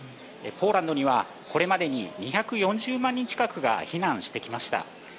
ポーランドにはこれまでに２４０万人近くが避難してきました。